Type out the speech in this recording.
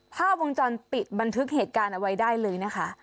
ภาพวงจรปิดบันทึกเหตุการณ์เอาไว้ได้เลยนะคะ